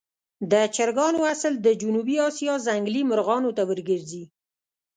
د چرګانو اصل د جنوبي آسیا ځنګلي مرغانو ته ورګرځي.